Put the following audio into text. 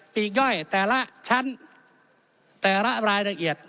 ปีกย่อยแต่ละชั้นแต่ละรายละเอียด